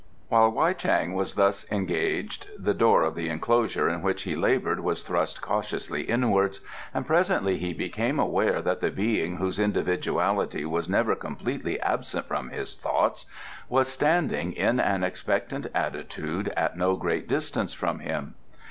While Wei Chang was thus engaged the door of the enclosure in which he laboured was thrust cautiously inwards, and presently he became aware that the being whose individuality was never completely absent from his thoughts was standing in an expectant attitude at no great distance from him.